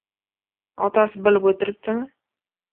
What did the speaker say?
Otasi bilib o‘tiribdimi?